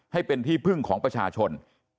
ให้เป็นที่พึ่งของประชาชน